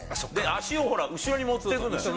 足をほら、後ろに持っていくのよ。